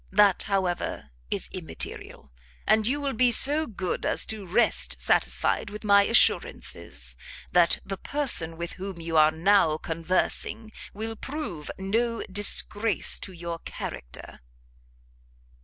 That, however, is immaterial; and you will be so good as to rest satisfied with my assurances, that the person with whom you are now conversing, will prove no disgrace to your character."